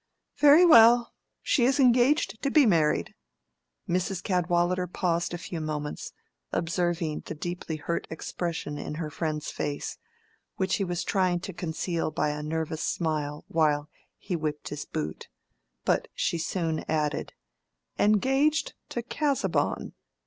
"Very well. She is engaged to be married." Mrs. Cadwallader paused a few moments, observing the deeply hurt expression in her friend's face, which he was trying to conceal by a nervous smile, while he whipped his boot; but she soon added, "Engaged to Casaubon."